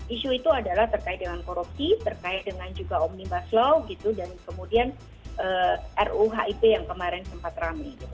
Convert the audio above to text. isu itu adalah terkait dengan korupsi terkait dengan juga omnibus law dan kemudian ruhip yang kemarin sempat rame